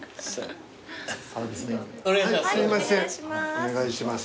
お願いします。